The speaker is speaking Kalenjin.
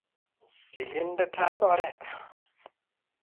kikinde tai oret